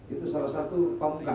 itu salah satu pembungkas